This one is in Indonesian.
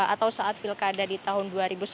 atau saat pilkada di tahun dua ribu sepuluh